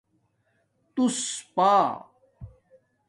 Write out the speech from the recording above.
تُوس پݳ